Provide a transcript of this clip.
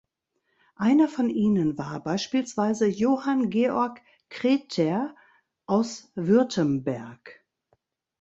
Einer von ihnen war beispielsweise Johann Georg Kret(d)er aus Württemberg.